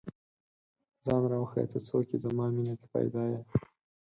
ځان راوښیه، ته څوک ئې؟ زما مینې ته پيدا ې